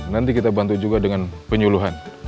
nanti kita bantu juga dengan penyuluhan